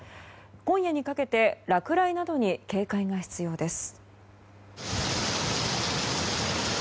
今夜にかけて落雷などに警戒が必要です。